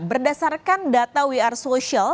berdasarkan data we are social